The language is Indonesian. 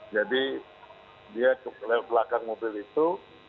jadi dia lewat belakang mobil itu